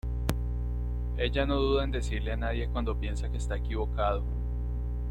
Ella no duda en decirle a nadie cuando piensa que está equivocado.